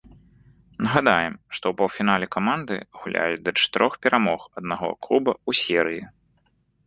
Нагадаем, што ў паўфінале каманды гуляюць да чатырох перамог аднаго клуба ў серыі.